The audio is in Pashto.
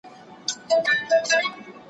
ژوند یې ښه وو کاروبار یې برابر وو